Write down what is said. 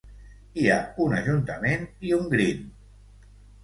Hi ha un ajuntament i un green.